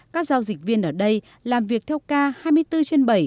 các giao dịch viên ở đây làm việc theo ca hai mươi bốn trên bảy